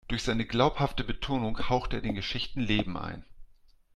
Durch seine glaubhafte Betonung haucht er den Geschichten Leben ein.